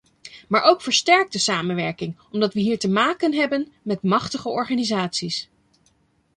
Maar ook versterkte samenwerking, omdat we hier te maken hebben met machtige organisaties.